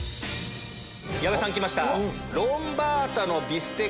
矢部さんきました。